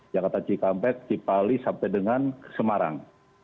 jakarta cikampek cipali sampai dengan semarang